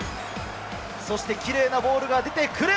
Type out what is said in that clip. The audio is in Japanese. そしてきれいなボールが出てくる。